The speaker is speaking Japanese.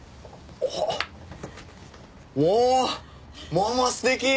ママ素敵！